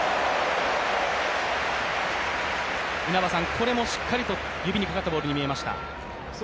これもしっかりと指にかかったボールに見えました。